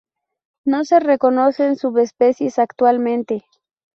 No se reconocen subespecies actualmente.